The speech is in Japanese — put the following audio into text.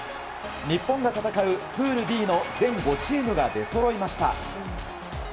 日本が戦うプールＤの全５チームが出そろいました。